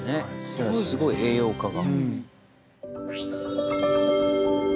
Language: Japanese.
じゃあすごい栄養価が。